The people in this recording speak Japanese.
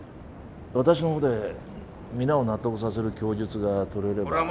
私の方で皆を納得させる供述がとれれば。